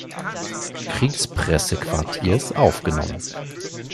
Kriegspressequartiers aufgenommen.